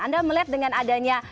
anda melihat dengan adanya